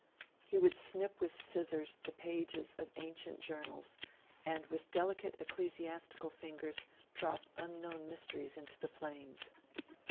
He would snip with scissors the pages of ancient journals, and with delicate ecclesiastical fingers, drop unknown mysteries into the flames.